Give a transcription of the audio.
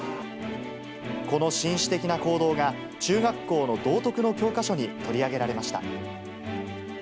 この紳士的な行動が、中学校の道徳の教科書に取り上げられました。